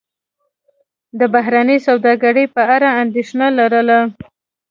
د بهرنۍ سوداګرۍ په اړه اندېښنه لرله.